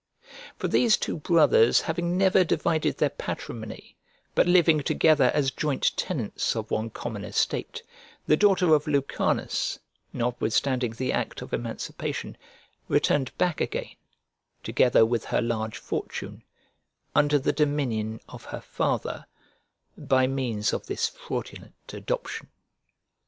For these two brothers having never divided their patrimony, but living together as joint tenants of one common estate, the daughter of Lucanus, notwithstanding the act of emancipation, returned back again, together with her large fortune, under the dominion of her father, by means of this fraudulent adoption.